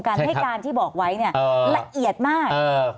การให้การที่บอกไว้เนี่ยละเอียดมาก